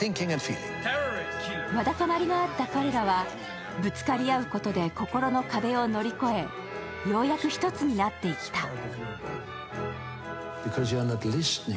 わだかまりのあった彼らはぶつかり合うことで心の壁を乗り越えようやく一つになっていった。